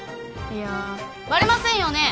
いやバレませんよね！